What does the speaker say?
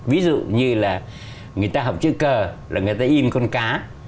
ví dụ như là người ta học chữ cờ là người ta in con cá